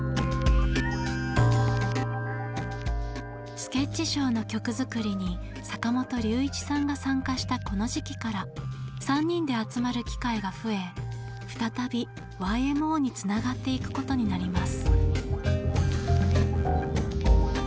ｓｋｅｔｃｈｓｈｏｗの曲作りに坂本龍一さんが参加したこの時期から３人で集まる機会が増え再びＹＭＯにつながっていくことになります。